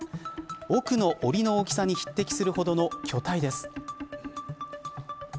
奥のおりの大きさに匹敵するほどの巨体です。